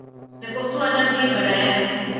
د پښتو ادب ډېر بډایه دی.